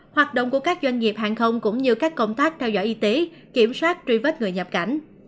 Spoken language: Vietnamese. hoạt động của các doanh nghiệp hàng không cũng như các công tác theo dõi y tế kiểm soát truy vết người nhập cảnh